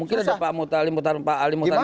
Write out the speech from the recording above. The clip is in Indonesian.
mungkin ada pak ali mutarnambalin jadi gampang